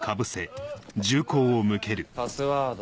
パスワード。